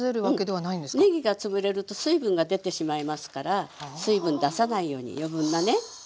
ねぎが潰れると水分が出てしまいますから水分出さないように余分なね。